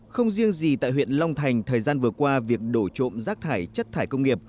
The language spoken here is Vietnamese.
không riêng gì tại huyện long thành thời gian vừa qua việc đổ trộm rác thải chất thải công nghiệp